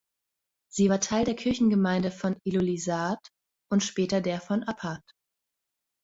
Sie war Teil der Kirchengemeinde von Ilulissat und später der von Appat.